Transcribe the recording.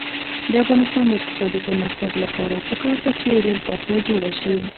د افغانستان د اقتصادي پرمختګ لپاره پکار ده چې ریل پټلۍ جوړه شي.